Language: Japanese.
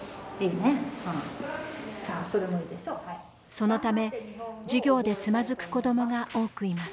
そのため授業でつまずく子どもが多くいます。